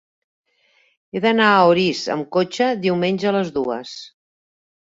He d'anar a Orís amb cotxe diumenge a les dues.